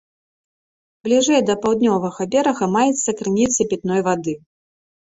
Бліжэй да паўднёвага берага, маецца крыніца пітной вады.